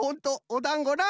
おだんごな。